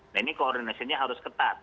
nah ini koordinasinya harus ketat